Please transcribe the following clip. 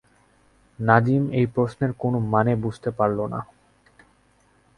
নাজিম এই প্রশ্নের কোনো মানে বুঝতে পারল না।